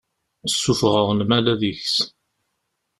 Sufɣeɣ lmal ad yeks.